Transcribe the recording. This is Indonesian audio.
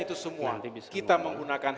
itu semua kita menggunakan